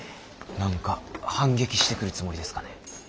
何か反撃してくるつもりですかね。